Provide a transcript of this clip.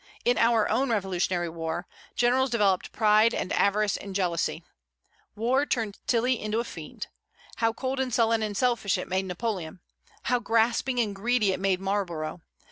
In our own Revolutionary war, generals developed pride and avarice and jealousy. War turned Tilly into a fiend. How cold and sullen and selfish it made Napoleon! How grasping and greedy it made Marlborough!